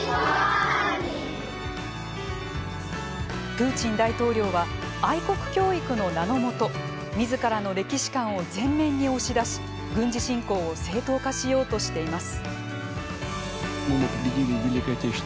プーチン大統領は愛国教育の名の下自らの歴史観を全面に押し出し軍事侵攻を正当化しようとしています。